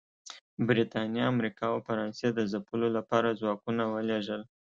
برېټانیا، امریکا او فرانسې د ځپلو لپاره ځواکونه ولېږل